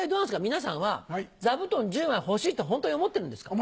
皆さんは座布団１０枚欲しいって本当に思ってるんですか？